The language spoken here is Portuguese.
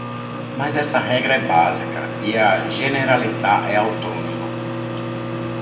Mas essa regra é básica e a Generalitat é autônoma.